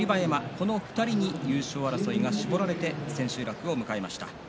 この２人に優勝争いが絞られて千秋楽を迎えました。